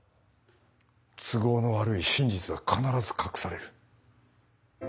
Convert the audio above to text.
都合の悪い真実は必ず隠される。